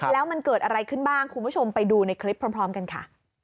แล้วมันเกิดอะไรขึ้นบ้างคุณผู้ชมไปดูในคลิปพร้อมกันค่ะ